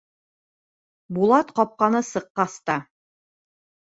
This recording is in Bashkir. Булат ҡапҡаны сыҡҡас та: